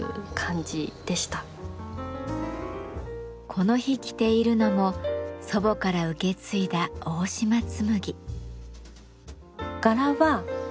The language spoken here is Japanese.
この日着ているのも祖母から受け継いだ大島紬。